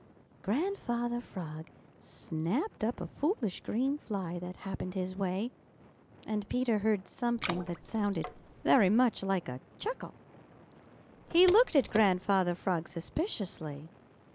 Grandfather Frog snapped up a foolish green fly that happened his way, and Peter heard something that sounded very much like a chuckle. He looked at Grandfather Frog suspiciously.